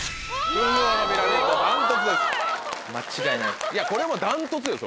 いやこれもう断トツよ